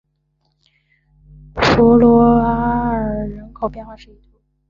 弗鲁阿尔人口变化图示